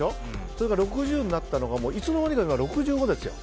それが６０になったのがいつの間にか６５ですよ。